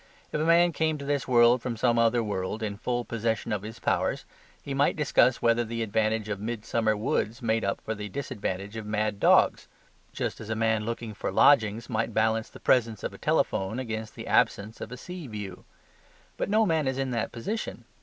If a man came to this world from some other world in full possession of his powers he might discuss whether the advantage of midsummer woods made up for the disadvantage of mad dogs, just as a man looking for lodgings might balance the presence of a telephone against the absence of a sea view. But no man is in that position.